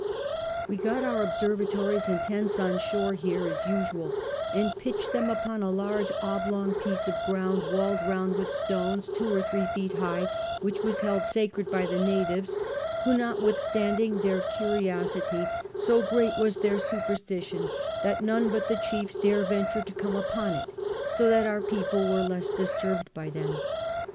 We got our observatories and tents on shore here, as usual, and pitched them upon a large oblong piece of ground, walled round with stones, two or three feet high, which was held sacred by the natives, who, notwithstanding their curi osity, so great was their superstition, that none but the chiefs dare venture to come upon it, so that our people were the less disturbed by them.